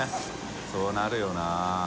そうなるよな。